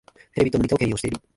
テレビとモニタを兼用してる